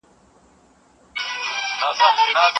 آيا دا آيت واضح دی؟